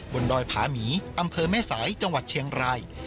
ดอยผาหมีอำเภอแม่สายจังหวัดเชียงราย